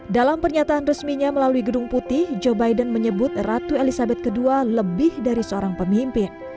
dalam pernyataan resminya melalui gedung putih joe biden menyebut ratu elizabeth ii lebih dari seorang pemimpin